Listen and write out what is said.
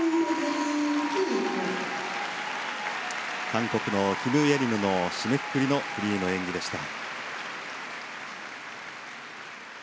韓国のキム・イェリムの締めくくりのフリーの演技でした。